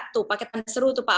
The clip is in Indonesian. pak awi pakai tanda seru itu